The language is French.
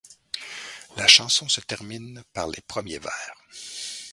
La chanson se termine par les premiers vers.